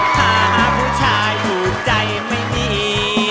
หาผู้ชายถูกใจไม่มี